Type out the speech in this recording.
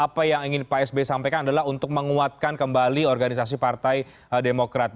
apa yang ingin pak sby sampaikan adalah untuk menguatkan kembali organisasi partai demokrat